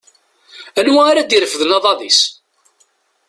Anwa ara d-irefden aḍad-is?